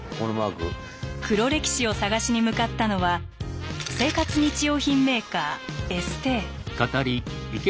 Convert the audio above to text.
黒歴史を探しに向かったのは生活日用品メーカーエステー。